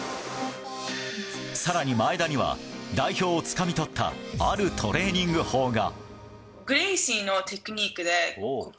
更に、前田には代表をつかみ取ったあるトレーニング法が。